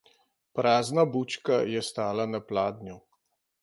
Prazna bučka je stala na pladnju.